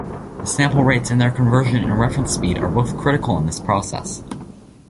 Sample rates and their conversion and reference speed are both critical in this process.